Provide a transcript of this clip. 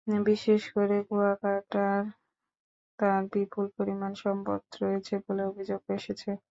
বিশেষ করে কুয়াকাটায় তাঁর বিপুল পরিমাণ সম্পদ রয়েছে বলে অভিযোগ এসেছে।